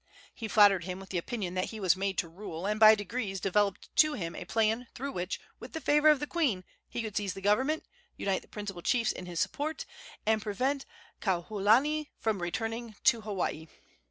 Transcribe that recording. He flattered him with the opinion that he was made to rule, and by degrees developed to him a plan through which, with the favor of the queen, he could seize the government, unite the principal chiefs in his support, and prevent Kauholanui from returning to Hawaii.